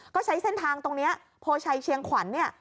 ก็ใช้เส้นทางตรงนี้โพชัยเชียงขวัญเนี่ย